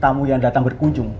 tamu yang datang berkunjung